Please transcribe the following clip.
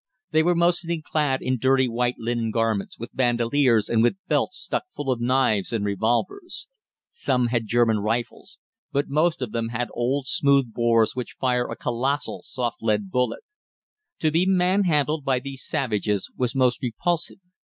They were mostly clad in dirty white linen garments, with bandoliers and with belts stuck full of knives and revolvers. Some had German rifles, but most of them had old smooth bores which fire a colossal soft lead bullet. To be man handled by these savages was most repulsive.